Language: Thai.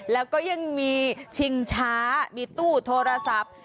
แล้วก็ยังมีชิงช้ามีตู้โทรศัพท์